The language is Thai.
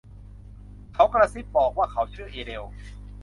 เขากระซิบบอกว่าเขาชื่อเอเดล